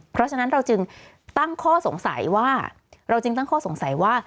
เพราะฉะนั้นเราจึงตั้งข้อสงสัยว่า